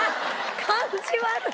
感じ悪っ！